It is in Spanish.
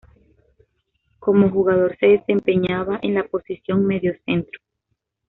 Como jugador se desempeñaba en la posición mediocentro.